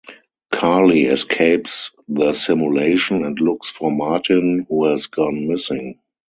Carly escapes the simulation and looks for Martin who has gone missing.